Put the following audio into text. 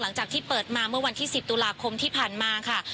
หลังจากที่เปิดมาเมื่อวันที่๑๐ตุลาคมที่ผ่านมาค่ะ